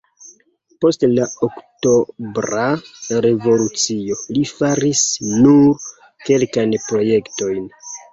Post la Oktobra revolucio li faris nur kelkajn projektojn.